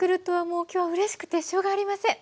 もう今日はうれしくてしょうがありません。